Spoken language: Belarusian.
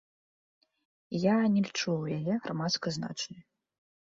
Я не лічу яе грамадска значнай.